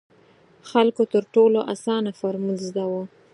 خلکو تر ټولو اسانه فارمول زده وو.